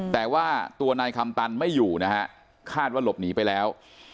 แต่ว่าตัวนายคำตันไม่อยู่นะฮะคาดว่าหลบหนีไปแล้ว